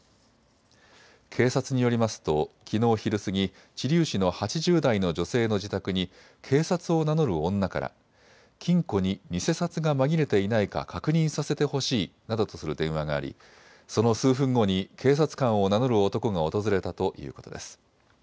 警察によりますときのう昼過ぎ、知立市の８０代の女性の自宅に警察を名乗る女から金庫に偽札が紛れていないか確認させてほしいなどとする電話がありその数分後に警察官を名乗る男が訪れたということです。